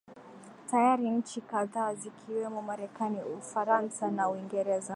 tayari nchi kadhaa zikiwemo marekani ufaransa na uingereza